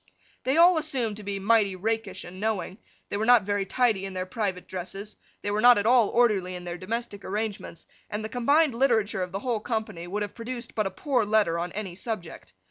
They all assumed to be mighty rakish and knowing, they were not very tidy in their private dresses, they were not at all orderly in their domestic arrangements, and the combined literature of the whole company would have produced but a poor letter on any subject.